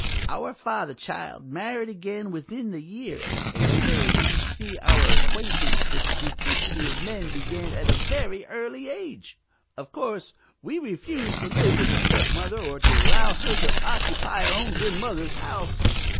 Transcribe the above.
Our father, child, married again within the year, and so you see our acquaintance with the duplicity of men began at a very early age. Of course, we refused to live with a stepmother or to allow her to occupy our own dear mother's house.